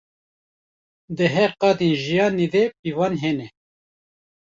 Di her qadên jiyanê de pîvan hene.